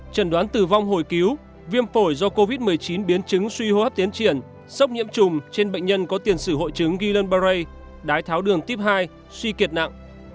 trần đoán tử vong hồi cứu viêm phổi do covid một mươi chín biến chứng suy hô hấp tiến triển sốc nhiễm trùng trên bệnh nhân có tiền sử hội chứng gillenbury đái tháo đường tuyếp hai suy kiệt nặng